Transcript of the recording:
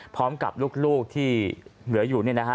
พร้อมกับลูกที่เหลืออยู่